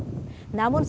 burt romans badans